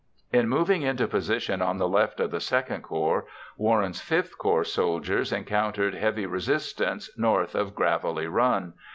In moving into position on the left of the II Corps, Warren's V Corps soldiers encountered heavy resistance north of Gravelly Run.